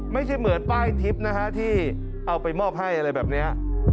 ไม่ใช่เหมือนป้ายทิพย์นะฮะที่เอาไปมอบให้อะไรแบบนี้